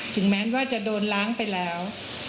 ถึงแม้ว่าจะโดนล้างไปแล้ว